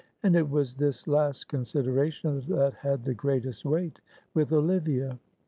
And it was this last consideration that had the greatest weight with Olivia.